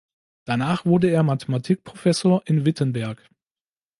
Danach wurde er Mathematikprofessor in Wittenberg.